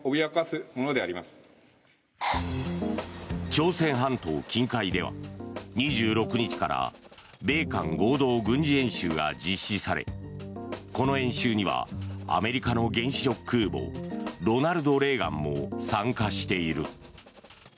朝鮮半島近海では２６日から米韓合同軍事演習が実施されこの演習にはアメリカの原子力空母「ロナルド・レーガン」も参加している。